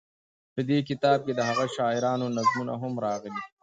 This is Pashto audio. په دې کتاب کې دهغه شاعرانو نظمونه هم راغلي.